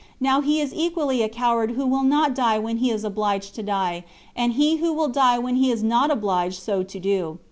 Now he is equally a coward who will not die when he is obliged to die, and he who will die when he is not obliged so to do.